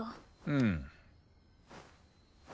うん。